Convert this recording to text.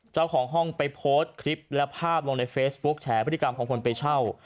เจ้าของห้องไปโพสต์คลิปและภาพลงในเฟซบุ๊คแฉพฤติกรรมของคนไปเช่า